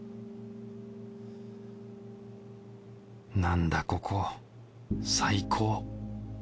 なんだここ最高